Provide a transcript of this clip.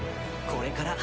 これから。